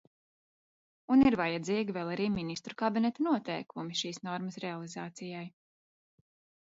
Un ir vajadzīgi vēl arī Ministru kabineta noteikumi šīs normas realizācijai.